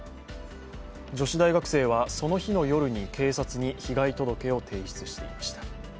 女子大学生は、その日の夜に警察に被害届を提出していました。